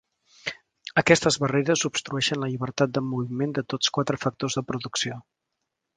Aquestes barreres obstrueixen la llibertat de moviment de tots quatre factors de producció.